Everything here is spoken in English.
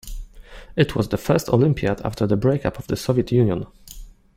It was the first Olympiad after the breakup of the Soviet Union.